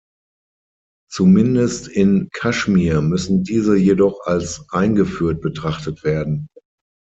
Zumindest in Kaschmir müssen diese jedoch als eingeführt betrachtet werden.